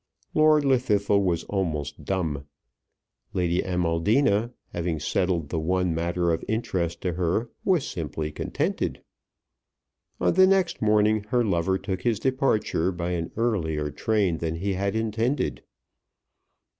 Lord Llwddythlw was almost dumb. Lady Amaldina, having settled the one matter of interest to her, was simply contented. On the next morning her lover took his departure by an earlier train than he had intended.